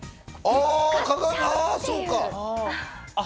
あ、そうか！